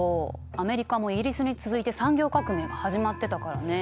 アメリカもイギリスに続いて産業革命が始まってたからね。